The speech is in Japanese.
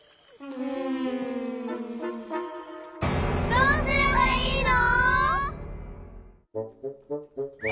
どうすればいいの！？